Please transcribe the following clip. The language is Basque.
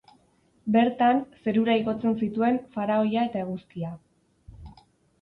Bertan, zerura igotzen zituen faraoia eta Eguzkia.